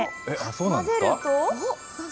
混ぜると。